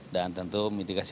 dan tentu mitigasi